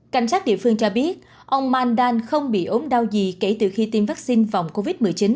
cảnh sát địa phương cho biết ông mandan không bị ốm đau gì kể từ khi tiêm vaccine phòng covid một mươi chín